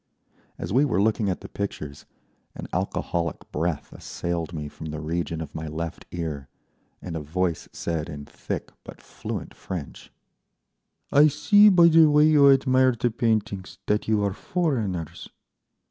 As we were looking at the pictures an alcoholic breath assailed me from the region of my left ear, and a voice said in thick but fluent French, "I see, by the way you admire the paintings, that you are foreigners."